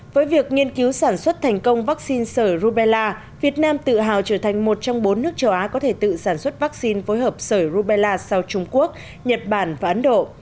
với việc nghiên cứu sản xuất thành công vaccine sởi rubella việt nam tự hào trở thành một trong bốn nước châu á có thể tự sản xuất vaccine phối hợp sởi rubella sau trung quốc nhật bản và ấn độ